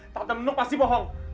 tante menuk pasti bohong